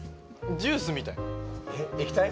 ジュースみたい・液体？